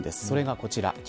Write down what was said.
それこちら。